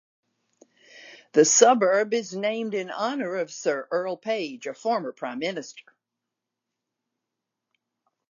The suburb is named in honour of Sir Earle Page, a former Prime Minister.